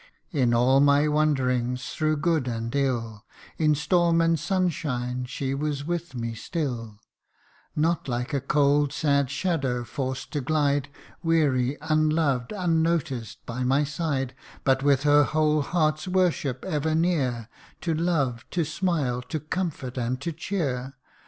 In all my wanderings, through good and ill, In storm and sunshine, she was with me still : Not like a cold sad shadow, forced to glide Weary unloved unnoticed, by my side : But with her whole heart's worship, ever near, To love, to smile, to comfort, and to cheer.